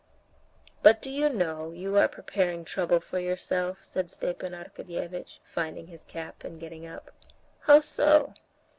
"But do you know you are preparing trouble for yourself," said Stepan Arkadyevitch, finding his cap and getting up. "How so?"